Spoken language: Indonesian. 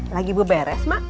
lagi berberes mak